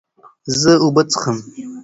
زه اوبه څښم.